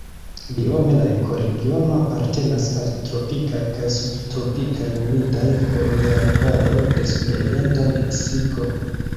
Biome la ekoregiono apartenas al tropikaj kaj subtropikaj humidaj foliarbaroj de sudorienta Meksiko.